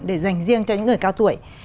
để dành riêng cho những người cao tuổi